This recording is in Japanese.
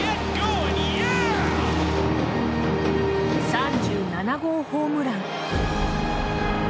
３７号ホームラン。